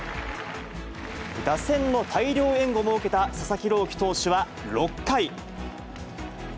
打線の大量援護も受けた佐々木朗希投手は６回。